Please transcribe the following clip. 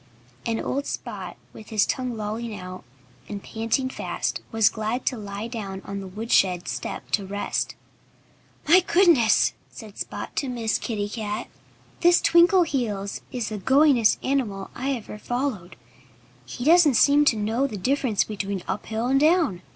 And old Spot, with his tongue lolling out, and panting fast, was glad to lie down on the woodshed step to rest. "My goodness!" said Spot to Miss Kitty Cat. "This Twinkleheels is the goingest animal I ever followed. He doesn't seem to know the difference between uphill and down.